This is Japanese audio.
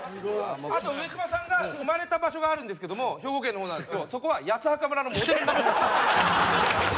あと上島さんが生まれた場所があるんですけども兵庫県の方なんですけどそこは『八つ墓村』のモデルになった所です。